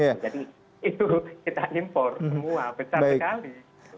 jadi itu kita impor semua besar sekali